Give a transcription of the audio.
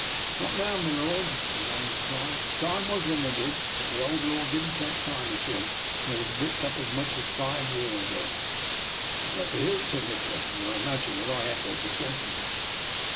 "" Not now, my lord," the man replied. " Time was when they did, but the old lord didn't take kindly to 'em and they was bricked up as much as five year ago." " I am glad to hear it," said Nikola, and you may imagine that I echoed the senti ment.